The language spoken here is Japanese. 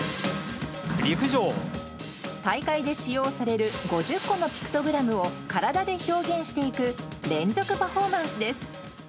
大会で使用される５０個のピクトグラムを体で表現していく連続パフォーマンスです。